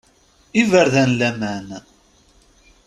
Iberdan n laman!